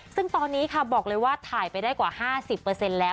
ซึ่งตอนนี้ค่ะบอกเลยว่าถ่ายไปได้กว่า๕๐แล้ว